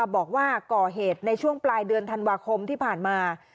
บอกว่าก่อเหตุในช่วงปลายเดือนธันวาคมที่ผ่านมา